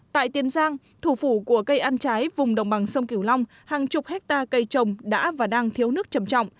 tại tiền giang thủ phủ của cây ăn trái vùng đồng bằng sông kiểu long hàng chục hectare cây trồng đã và đang thiếu nước trầm trọng